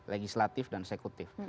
legislatif dan sekutif